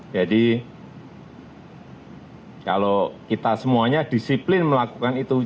jadi kalau kita semuanya disiplin melakukan itu